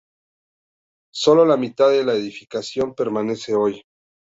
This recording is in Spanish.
Sólo la mitad de la edificación permanece hoy.